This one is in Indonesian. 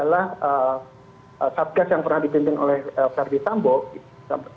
terima kasih saya kira keputusannya yang diambil oleh kapolri adalah keputusan yang tepat karena konteksnya ada